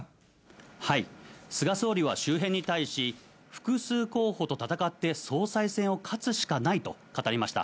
菅総理は周辺に対し、複数候補と戦って、総裁選を勝つしかないと語りました。